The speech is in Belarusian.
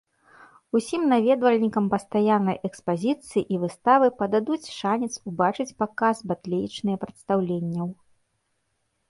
Усім наведвальнікам пастаяннай экспазіцыі і выставы пададуць шанец убачыць паказ батлеечныя прадстаўленняў.